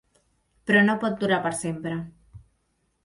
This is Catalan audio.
Però no pot durar per sempre.